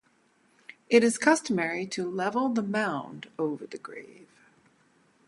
It is customary to level the mound over the grave.